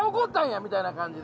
みたいな感じで。